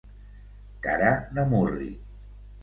Cara de murri.